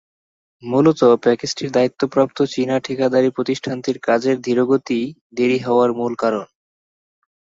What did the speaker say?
মূলত প্যাকেজটির দায়িত্বপ্রাপ্ত চীনা ঠিকাদারি প্রতিষ্ঠানটির কাজের ধীরগতিই দেরি হওয়ার মূল কারণ।